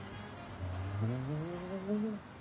ふん。